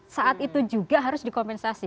saat itu juga harus dikompensasi